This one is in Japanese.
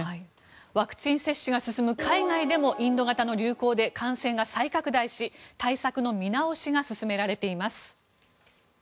ワクチン接種が進む海外でもインド型の流行で感染が再拡大し、対策の見直しが進められています。